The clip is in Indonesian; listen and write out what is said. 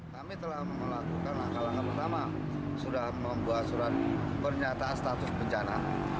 kami telah melakukan langkah langkah pertama sudah membuat surat pernyataan status bencana